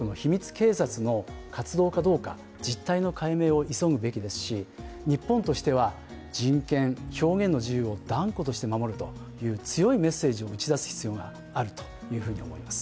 警察の活動かどうか、実態の解明を急ぐべきですし日本としては、人権、表現の自由を断固として守るという強いメッセージを打ち出す必要があると思います。